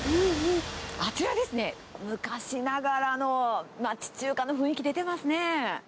あちらですね、昔ながらの町中華の雰囲気出てますね。